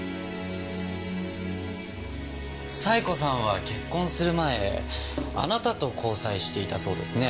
冴子さんは結婚する前あなたと交際していたそうですね。